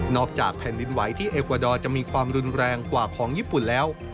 จากแผ่นดินไหวที่เอกวาดอร์จะมีความรุนแรงกว่าของญี่ปุ่นแล้ว